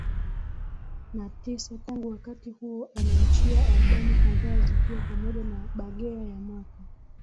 na tisa Tangu wakati huo aliachia albamu kadhaa zikiwa pamoja na Bageya ya mwaka